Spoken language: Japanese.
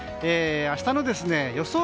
明日の予想